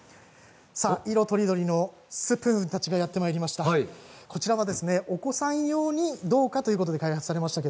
色とりどりのスプーンたちがやってきました、お子さん用にどうかということで開発されました。